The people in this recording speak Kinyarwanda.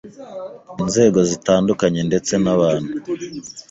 Inzego zitandukanye ndetse n’abantu